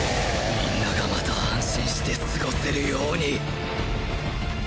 皆がまた安心して過ごせるように